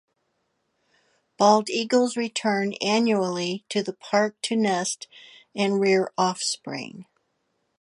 Bald eagles return annually to the park to nest and rear offspring.